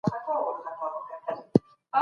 جګړه کولای سي چي د هېواد اقتصاد ویجاړ کړي.